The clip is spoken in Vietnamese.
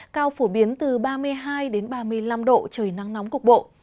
cao phổ biến từ ba mươi hai đến ba mươi năm độ trời nắng nóng cục bộ